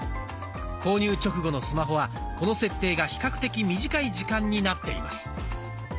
購入直後のスマホはこの設定が比較的短い時間になっています。